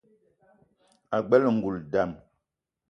Ag͡bela ngoul i nda.